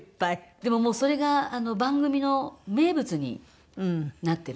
でももうそれが番組の名物になってるので。